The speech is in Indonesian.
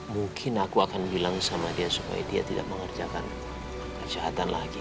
mungkin aku akan bilang sama dia supaya dia tidak mengerjakan kesehatan lagi